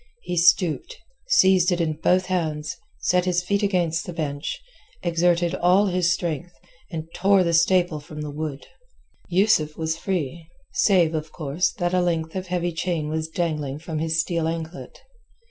He stooped, seized it in both hands, set his feet against the bench, exerted all his strength, and tore the staple from the wood. Yusuf was free, save, of course, that a length of heavy chain was dangling from his steel anklet.